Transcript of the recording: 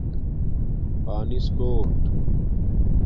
پانس کوٹ